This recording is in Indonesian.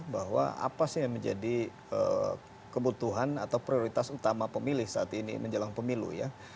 bahwa apa sih yang menjadi kebutuhan atau prioritas utama pemilih saat ini menjelang pemilu ya